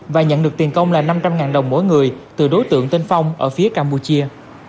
và nhận được tiền công là năm trăm linh đồng mỗi người từ đối tượng tên phong ở phía campuchia